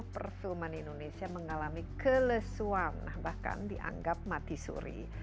perfilman indonesia mengalami kelesuan bahkan dianggap mati suri